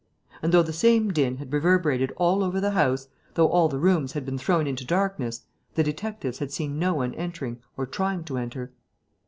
And, though the same din had reverberated all over the house, though all the rooms had been thrown into darkness, the detectives had seen no one entering or trying to enter.